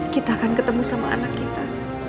kita akan ketemu sama anak kita